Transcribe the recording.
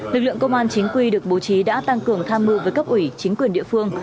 lực lượng công an chính quy được bố trí đã tăng cường tham mưu với cấp ủy chính quyền địa phương